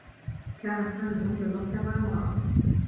كان سامي يمضي الوقت مع امرأة.